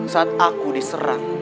saat aku diserang